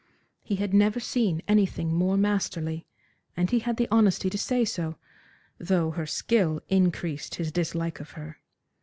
He had never seen anything more masterly, and he had the honesty to say so, though her skill increased his dislike of her.